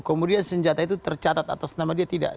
kemudian senjata itu tercatat atas nama dia tidak